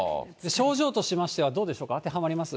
症状としましては、どうでしょうか、当てはまります？